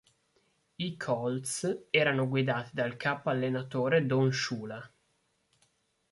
I Colts erano guidati dal capo-allenatore Don Shula.